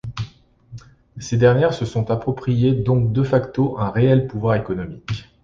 Ces dernières se sont approprié donc de facto un réel pouvoir économique.